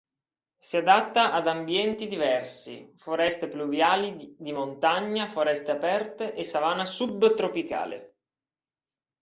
Si adatta ad ambienti diversi: foreste pluviali di montagna, foreste aperte e savana subtropicale.